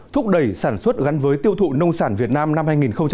thúc đẩy sản xuất gắn với tiêu thụ nông sản việt nam năm hai nghìn một mươi chín